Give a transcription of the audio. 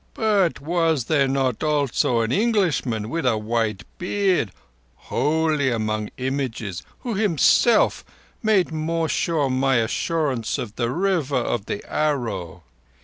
"But was there not also an Englishman with a white beard holy among images—who himself made more sure my assurance of the River of the Arrow?"